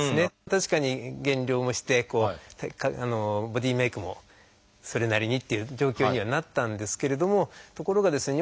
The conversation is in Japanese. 確かに減量もしてボディーメイクもそれなりにっていう状況にはなったんですけれどもところがですね